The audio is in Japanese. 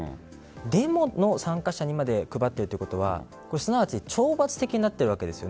デモの参加者にまで配っているということはすなわち懲罰的になっているわけです。